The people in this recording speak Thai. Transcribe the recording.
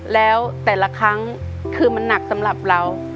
แล้วแต่ละครั้งคือมันหนักสำหรับเรา